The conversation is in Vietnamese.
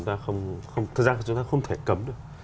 thực ra chúng ta không thể cấm được